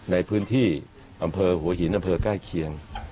ในพื้นที่อำเภอหัวหินอำเภอใกล้เคียง